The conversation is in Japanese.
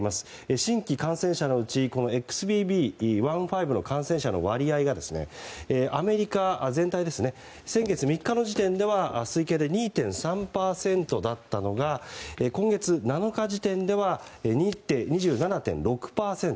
新規感染者のうちこのＸＢＢ．１．５の感染者の割合が、アメリカ全体で先月３日の時点では推計２．３％だったのが今月７日時点では２７．６％。